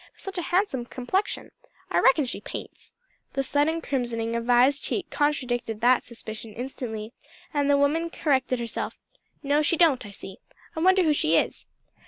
such a handsome complexion! I reckon she paints." The sudden crimsoning of Vi's cheek contradicted that suspicion instantly, and the woman corrected herself. "No, she don't, I see. I wonder who she is?"